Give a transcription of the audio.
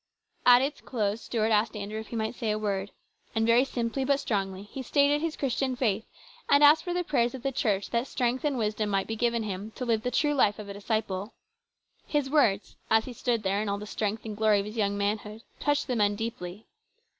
At its close Stuart asked Andrew if he might say a word, and very simply but strongly he stated his Christian faith and asked for the prayers of the church that strength and wisdom might be given him to live the true life of a disciple. His words, as he stood there in all the strength and glory of his young manhood, touched the men deeply.